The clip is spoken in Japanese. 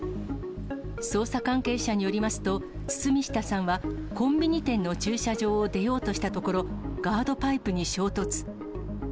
捜査関係者によりますと、堤下さんは、コンビニ店の駐車場を出ようとしたところ、ガードパイプに衝突。